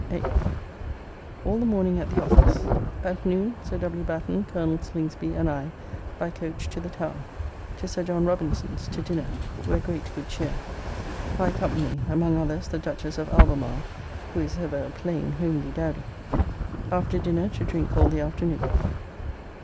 8th. All the morning at the office. At noon Sir W. Batten, Col. Slingsby and I by coach to the Tower, to Sir John Robinson's, to dinner; where great good cheer. High company; among others the Duchess of Albemarle, who is ever a plain homely dowdy. After dinner, to drink all the afternoon.